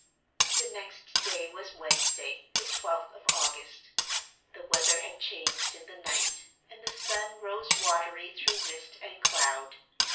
That next day was Wednesday, the twelfth of August. The weather had changed in the night; and the sun rose watery through mist and cloud.